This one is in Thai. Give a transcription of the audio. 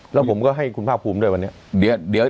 แล้วผมก็ให้คุณภาคภูมิด้วยวันนี้